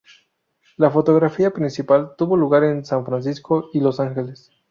La fotografía principal tuvo lugar en San Francisco y Los Angeles.